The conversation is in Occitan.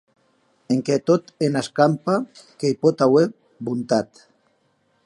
Enquia e tot ena escampa que i pòt auer bontat.